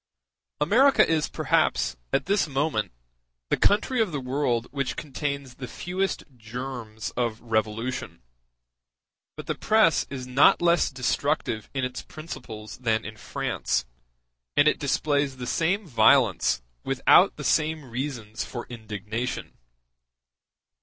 America is perhaps, at this moment, the country of the whole world which contains the fewest germs of revolution; but the press is not less destructive in its principles than in France, and it displays the same violence without the same reasons for indignation.